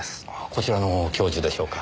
こちらの教授でしょうか？